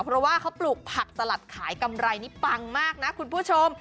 เพราะว่าเขาปลูกผักสลัดขายกำไรนี่ปังมากนะคุณผู้ชม